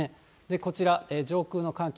こちら、上空の寒気。